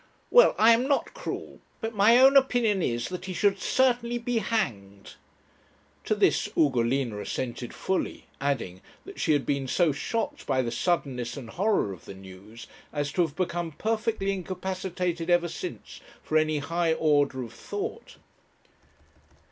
Well, I am not cruel; but my own opinion is that he should certainly be hanged.' To this Ugolina assented fully, adding, that she had been so shocked by the suddenness and horror of the news, as to have become perfectly incapacitated ever since for any high order of thought.